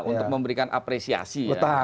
untuk memberikan apresiasi